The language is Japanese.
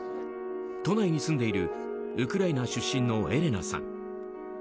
都内に住んでいるウクライナ出身のエレナさん。